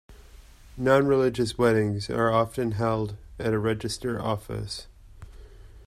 Non-religious weddings are often held at a Register Office